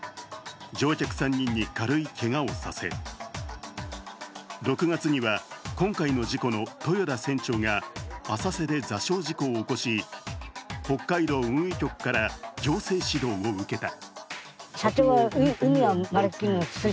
乗客３人に軽いけがをさせ、６月には今回の事故の豊田船長が浅瀬で座礁事故を起こし北海道運輸局から行政指導を受けた。